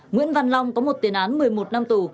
nguyễn văn long có một tiền án một mươi một năm tù